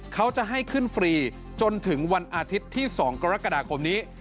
เขาจะให้ขึ้นฟรีจนถึงวันอาทิตย์ที่๒กรกฎาคมนี้